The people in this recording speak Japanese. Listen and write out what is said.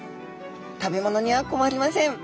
食べ物には困りません。